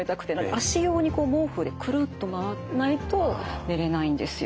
足用に毛布でくるっと巻かないと寝れないんですよ。